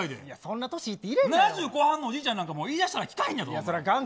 ７０代後半のおじいちゃんなんか言い出したらきかんへんぞ。